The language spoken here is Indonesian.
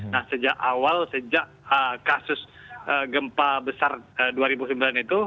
nah sejak awal sejak kasus gempa besar dua ribu sembilan itu